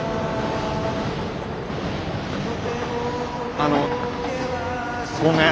あのごめん。